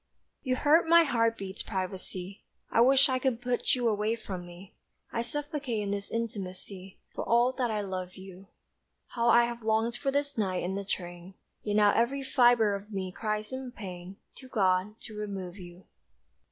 You hurt my heart beats' privacy; I wish I could put you away from me; I suffocate in this intimacy, For all that I love you; How I have longed for this night in the train, Yet now every fibre of me cries in pain To God to remove you.